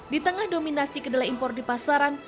di tengah dominasi kedelai impor di pasaran